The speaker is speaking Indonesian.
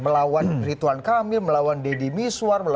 melawan rituan kamil melawan deddy miswar